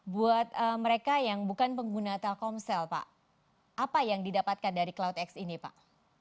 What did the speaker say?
buat mereka yang bukan pengguna telkomsel pak apa yang didapatkan dari cloudx ini pak